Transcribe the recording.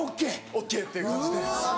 ＯＫっていう形で。